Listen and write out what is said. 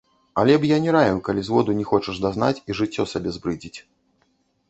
Але я б не раіў, калі зводу не хочаш дазнаць і жыццё сабе збрыдзіць.